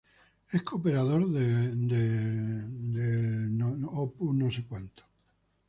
Es cooperador de Opus Dei.